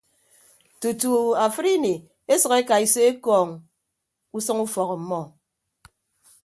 Tutu afịdini esʌk ekaiso ekọọñ usʌñ ufọk ọmmọ.